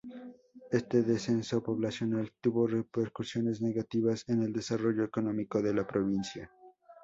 Este descenso poblacional tuvo repercusiones negativas en el desarrollo económico de la provincia.